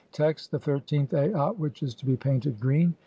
Text : (1) The thirteenth Aat [which is to be painted] green.